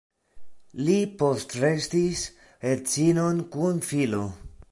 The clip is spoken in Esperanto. Li postrestis edzinon kun filo.